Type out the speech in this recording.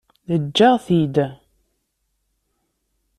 Eǧǧ-aɣ-t-id.